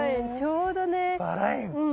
うん。